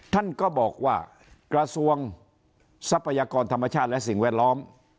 ท่านก็บอกว่ากระทรวงทรัพยากรธรรมชาติและสิ่งแวดล้อม